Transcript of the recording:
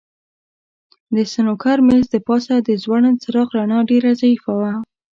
د سنوکر مېز د پاسه د ځوړند څراغ رڼا ډېره ضعیفه وه.